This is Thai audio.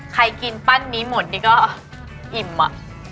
ใครกินตั้งกลางนี้หมดก็อิ่มอะ